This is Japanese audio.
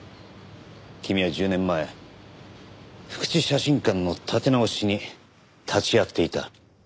君は１０年前福地写真館の建て直しに立ち会っていた。